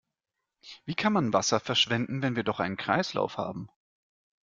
Wie kann man Wasser verschwenden, wenn wir doch einen Kreislauf haben?